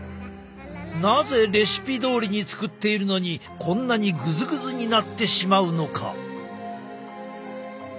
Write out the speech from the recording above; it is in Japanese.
なぜレシピどおりに作っているのにこんなにぐずぐずになってしまうのか？